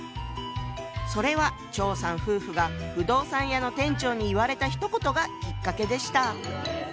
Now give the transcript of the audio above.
それは張さん夫婦が不動産屋の店長に言われたひと言がきっかけでした。